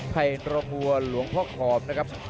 ภัยรมัวหลวงพ่อขอบนะครับ